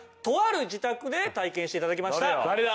誰だ？